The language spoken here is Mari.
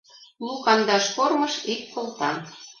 Лу-кандаш кормыж — ик кылта.